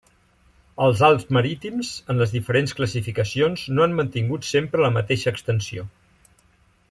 Els Alps marítims en les diferents classificacions no han mantingut sempre la mateixa extensió.